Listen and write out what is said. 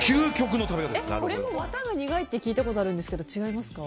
ワタが苦いって聞いたことあるんですが違いますか？